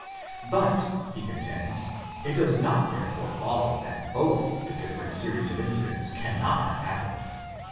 But, he contends, it does not therefore follow that both the different series of incidents cannot have happened.